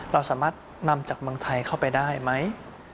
เราสามารถนำจากเมืองไทยเข้าไปได้ไหม